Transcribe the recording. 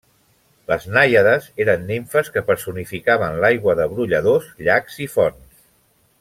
Les nàiades eren nimfes que personificaven l'aigua de brolladors, llacs i fonts.